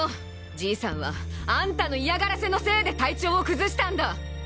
じいさんはあんたの嫌がらせのせいで体調を崩したんだ！